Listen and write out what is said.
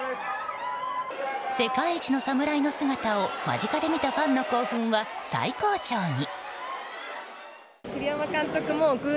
世界一の侍の姿を間近で見たファンの興奮は最高潮に。